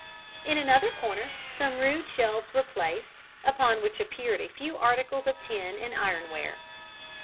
In another corner, some rude shelves were placed, upon which appeared a few articles of tin and ironware.